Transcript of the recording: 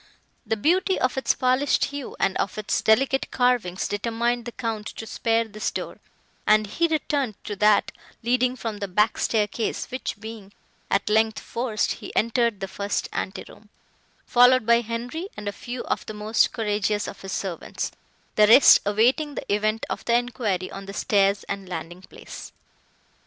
The beauty of its polished hue and of its delicate carvings determined the Count to spare this door, and he returned to that leading from the back staircase, which being, at length, forced, he entered the first ante room, followed by Henri and a few of the most courageous of his servants, the rest awaiting the event of the enquiry on the stairs and landing place.